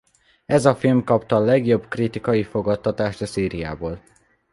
Ez a film kapta a legjobb kritikai fogadtatást a szériából.